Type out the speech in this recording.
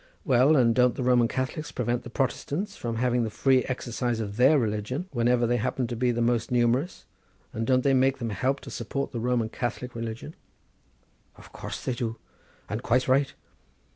"Well, and don't the Roman Catholics prevent the Protestants from having the free exercise of their religion, whenever they happen to be the most numerous, and don't they make them help to support the Roman Catholic religion?" "Of course they do, and quite right.